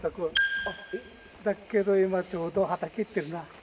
だけど今ちょうど畑行ってるなあ。